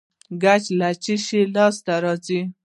کوچ له څه شي لاسته راځي؟